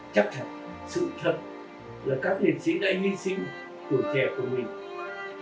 chắc thật sự thật là các nguyện sĩ đã hi sinh tuổi trẻ của mình